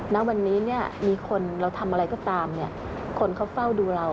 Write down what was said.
ณวันนี้มีคนเราทำอะไรก็ตามคนเขาเฝ้าดูเรา